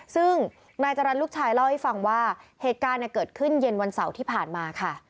ซึ่งนายจรรย์ลูกชายเล่าให้ฟังว่าเหตุการณ์เกิดขึ้นเย็นวันเสาร์ที่ผ่านมาค่ะ